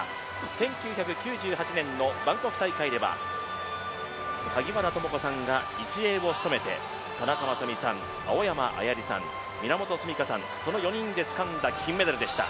１９９８年のバンコク大会では萩原智子さんが１泳をして田中雅美さん、青山綾里さん、源純夏さん、その４人でつかんだ金メダルでした。